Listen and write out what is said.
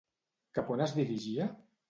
Cap on es dirigia?